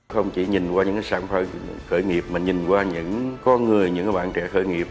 không chỉ nhìn qua những sản phẩm khởi nghiệp mà nhìn qua những con người những bạn trẻ khởi nghiệp